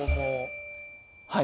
・はい。